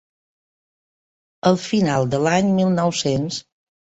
Al final de l'any mil nou-cents.